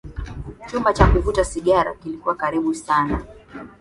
chumba cha kuvuta sigara kilikuwa karibu sana